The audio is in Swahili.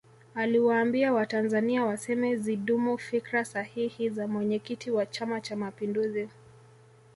aliwaambia watanzania waseme zidumu fikra sahihi za mwenyekiti wa chama cha mapinduzi